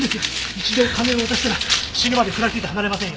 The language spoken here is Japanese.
一度金を渡したら死ぬまで食らいついて離れませんよ。